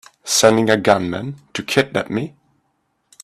Sending a gunman to kidnap me!